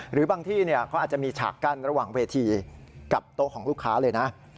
หรือบางที่เขาอาจจะมีฉากกั้นระหว่างเวทีกับโต๊ะของลูกค้าเลยนะ